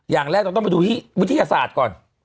อย่างแรกเราต้องไปดูที่วิทยาศาสตร์ก่อน